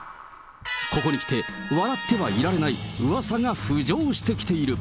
ここにきて、笑ってはいられないうわさが浮上してきている。